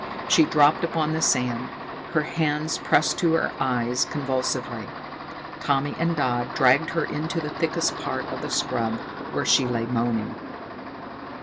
She dropped upon the sand, her hands pressed to her eyes convulsively. Tommy and Dodd dragged her into the thickest part of the scrub, where she lay moaning.